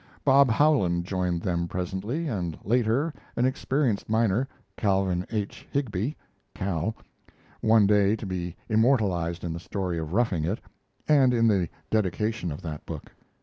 Bob Howland joined them presently, and later an experienced miner, Calvin H. Higbie (Cal), one day to be immortalized in the story of 'Roughing It' and in the dedication of that book.